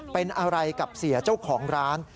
เป็นอะไรกับเสียเจ้าของร้าน